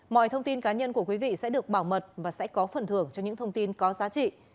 mọi thông tin cá nhân của quý vị sẽ được bảo mật và sẽ có phần thưởng cho những thông tin có giá trị